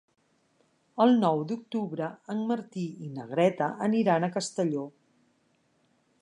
El nou d'octubre en Martí i na Greta aniran a Castelló.